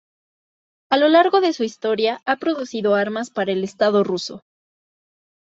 A lo largo de su historia, ha producido armas para el estado ruso.